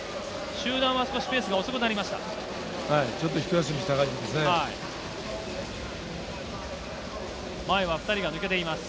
集団は少しペースが遅くなりました。